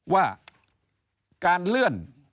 ว่าการเลื่อน